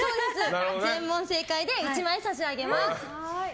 全問正解で１枚差し上げます。